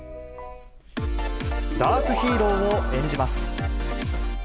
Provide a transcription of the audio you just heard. ダークヒーローを演じます。